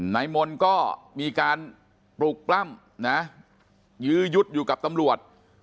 นายมนต์ก็มีการปลุกปล้ำนะยื้อยุดอยู่กับตำรวจ